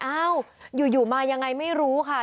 อ้าวอยู่มายังไงไม่รู้ค่ะ